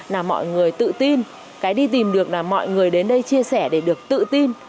là mọi người tự tin cái đi tìm được là mọi người đến đây chia sẻ để được tự tin